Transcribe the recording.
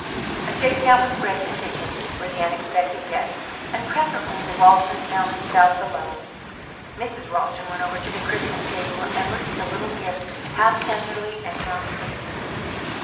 A shakedown was spread in the kitchen for the unexpected guests, and presently the Ralstons found themselves alone. Mrs. Ralston went over to the Christmas table and looked at the little gifts half tenderly and half pityingly.